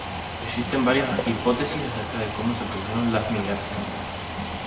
Existen varias hipótesis acerca de cómo se produjeron las migraciones.